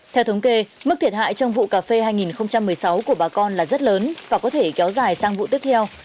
theo thống kê mức thiệt hại trong vụ cà phê hai nghìn một mươi sáu của bà con là rất lớn và có thể kéo dài sang vụ tiếp theo